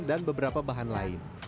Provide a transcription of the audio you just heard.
dan beberapa bahan lain